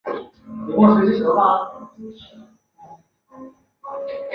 绿沙地锦鸡儿为豆科锦鸡儿属下的一个变种。